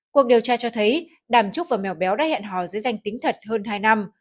cuộc điều tra cho thấy đàm trúc và mèo béo đã hẹn hò dưới danh tính thật hơn hai năm